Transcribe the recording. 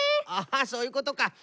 ああそういうことか。